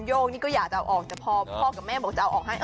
พ่อกับแม่เหล่าก็จะเอาออกให้